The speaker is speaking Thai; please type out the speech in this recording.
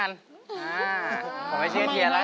อ่าพอไม่เชื่อเทียนก่อน